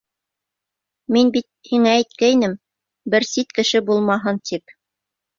Мин бит һиңә әйткәйнем: бер сит кеше булмаһын, тип.